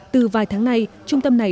từ vài tháng ngày trung tâm này